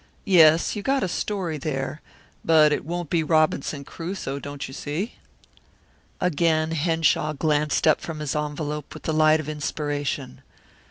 "Yes, you got a story there, but it won't be Robinson Crusoe, don't you see?" Again Henshaw glanced up from his envelope with the light of inspiration.